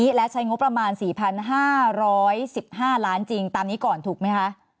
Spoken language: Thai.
และใช้งบประมาณ๔๕๑๕ล้านจริงตามนี้ก่อนถูกไหมคะ